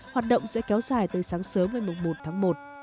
hoạt động sẽ kéo dài tới sáng sớm ngày một một một